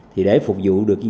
thì để phục vụ được